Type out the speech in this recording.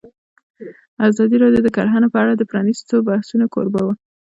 ازادي راډیو د کرهنه په اړه د پرانیستو بحثونو کوربه وه.